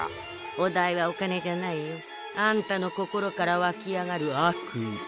お代はお金じゃないよ。あんたの心からわき上がる悪意だ。